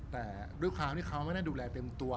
แต่ด้วยความที่เขาไม่ได้ดูแลเต็มตัว